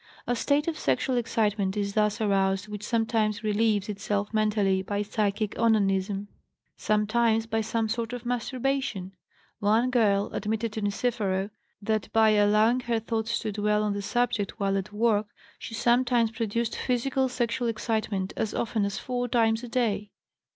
A state of sexual excitement is thus aroused which sometimes relieves itself mentally by psychic onanism, sometimes by some form of masturbation; one girl admitted to Niceforo that by allowing her thoughts to dwell on the subject while at work she sometimes produced physical sexual excitement as often as four times a day.